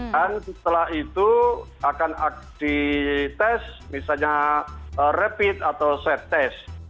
dan setelah itu akan di tes misalnya rapid atau safe test